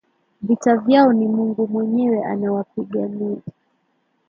Vita vyao ni Mungu mwenyewe anawapigania.